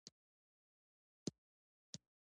وګړي د افغان ماشومانو د زده کړې یوه جالبه موضوع ده.